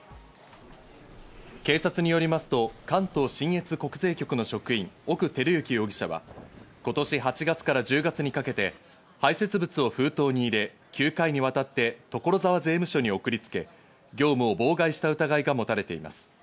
警察によりますと関東信越国税局の職員・奥輝之容疑者は、今年８月から１０月にかけて排せつ物を封筒に入れ、９回にわたって所沢税務署に送りつけ、業務を妨害した疑いが持たれています。